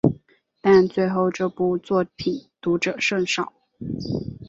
但最后这部作品读者甚少。